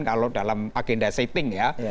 kalau dalam agenda setting ya